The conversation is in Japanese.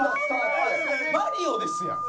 マリオですやん。